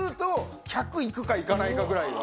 いくかいかないかぐらいは。